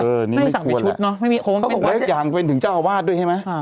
เขาบอกว่าเป็นอย่างก็สั่งไปถึงเจ้าอาวาสด้วยใช่ไหม